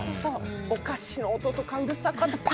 お菓子の音とかうるさかった。